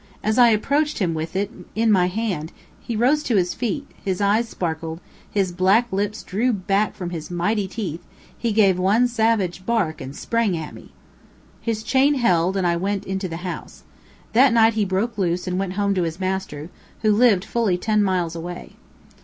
As I approached him with it in my hand, he rose to his feet, his eyes sparkled, his black lips drew back from his mighty teeth, he gave one savage bark and sprang at me. His chain held and I went into the house. That night he broke loose and went home to his master, who lived fully ten miles away.